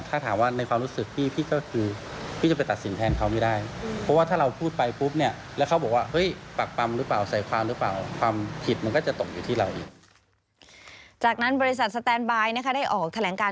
ถ้าถามว่าในความรู้สึกพี่ก็คือ